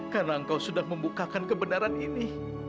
karena engkau sudah membukakan kebenaran ini